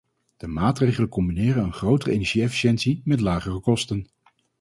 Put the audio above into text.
De maatregelen combineren een grotere energie-efficiëntie met lagere kosten.